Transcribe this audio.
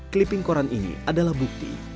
clipping koran ini adalah bukti